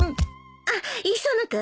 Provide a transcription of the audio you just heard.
あっ磯野君？